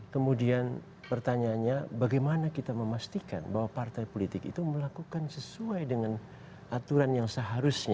kemudian pertanyaannya bagaimana kita memastikan bahwa partai politik itu melakukan sesuai dengan aturan yang seharusnya